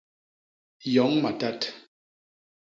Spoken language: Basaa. Yoñ matat.